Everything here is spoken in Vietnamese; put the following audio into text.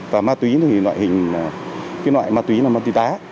và ma túy thì loại hình cái loại ma túy là ma túy đá